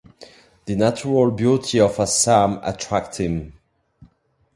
The natural beauty of Assam attracted him.